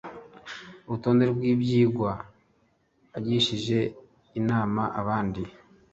urutonde rw ibyigwa agishije inama abandi